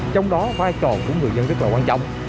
trong đó có ai trò của người dân rất là quan trọng